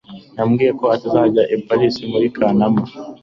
Yambwiye ko azajya i Paris muri Kanama